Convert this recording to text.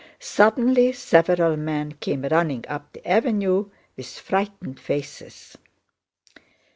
Suddenly several men came running up the avenue with frightened faces.